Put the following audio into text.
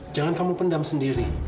jangan kamu pendam sendiri